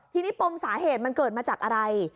ทีนี้ปมสาเหตุมันเกิดมาจากอะไร